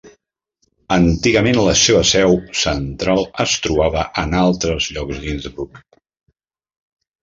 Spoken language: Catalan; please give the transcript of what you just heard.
Antigament la seva seu central es trobava en altres llocs d'Innsbruck.